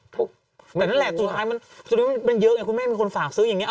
แต่นั่นแหละสุดท้ายมันเยอะไงคุณแม่มีคนฝากซื้ออย่างนี้